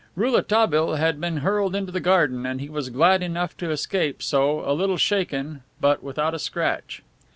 Rouletabille had been hurled into the garden and he was glad enough to escape so, a little shaken, but without a scratch.